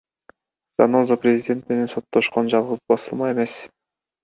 Заноза президент менен соттошкон жалгыз басылма эмес.